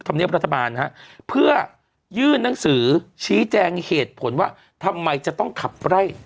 ธรรมเนียบรัฐบาลฮะเพื่อยื่นหนังสือชี้แจงเหตุผลว่าทำไมจะต้องขับไล่